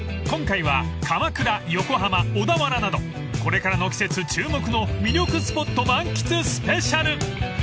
今回は鎌倉横浜小田原などこれからの季節注目の魅力スポット満喫スペシャル！］